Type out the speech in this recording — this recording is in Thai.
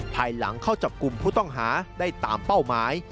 ภายหลังเข้าจับกลุ่มผู้ต้องหาได้ตามเป้าหมาย